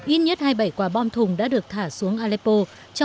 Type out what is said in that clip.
ít nhất hai mươi bảy quả bom thùng đã được thả xuống aleppo